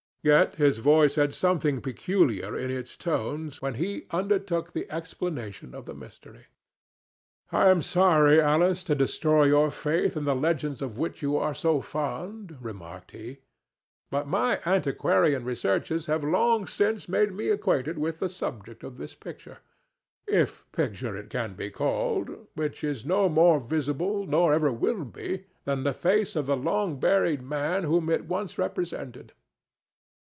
Yet his voice had something peculiar in its tones when he undertook the explanation of the mystery. "I am sorry, Alice, to destroy your faith in the legends of which you are so fond," remarked he, "but my antiquarian researches have long since made me acquainted with the subject of this picture—if picture it can be called—which is no more visible, nor ever will be, than the face of the long buried man whom it once represented.